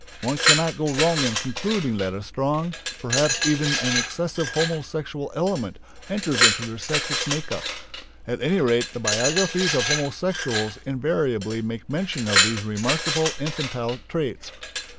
One cannot go wrong in concluding that a strong, perhaps even an excessive homosexual element enters into their psychic make up. At any rate the biographies of homosexuals invariably make mention of these remarkable infantile traits.